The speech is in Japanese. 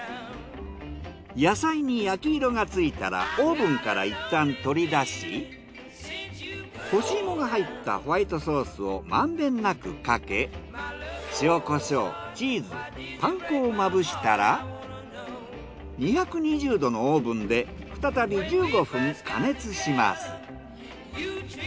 野菜に焼き色がついたらオーブンからいったん取り出し干し芋が入ったホワイトソースをまんべんなくかけ塩コショウチーズパン粉をまぶしたら２２０℃のオーブンで再び１５分加熱します。